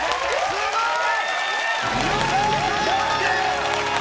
すごい！